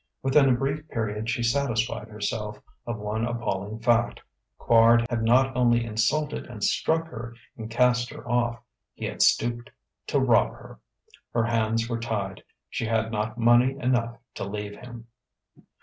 Within a brief period she satisfied herself of one appalling fact: Quard had not only insulted and struck her and cast her off he had stooped to rob her. Her hands were tied: she had not money enough to leave him.